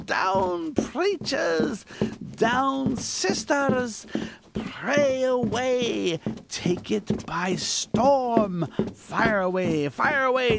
down preachers! down sisters! pray away! take it by storm! fire away! fire away!